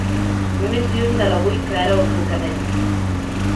Més lluny de l’avui que ara us encadena.